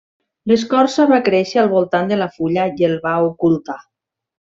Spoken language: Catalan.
L'escorça va créixer al voltant de la fulla i el va ocultar.